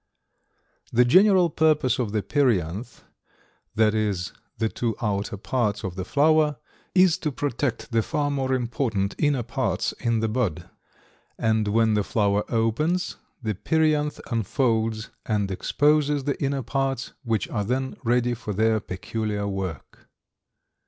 The general purpose of the perianth, that is, the two outer parts of the flower, is to protect the far more important inner parts in the bud, and when the flower opens the perianth unfolds and exposes the inner parts, which are then ready for their peculiar work.